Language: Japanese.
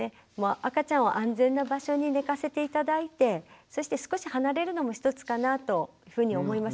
赤ちゃんを安全な場所に寝かせて頂いてそして少し離れるのも一つかなというふうに思います。